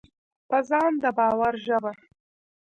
په ځان د باور ژبه: